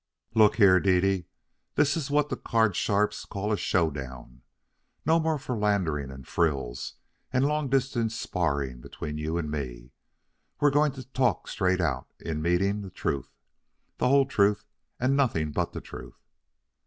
"Look here, Dede, this is what card sharps call a show down. No more philandering and frills and long distance sparring between you and me. We're just going to talk straight out in meeting the truth, the whole truth, and nothing but the truth.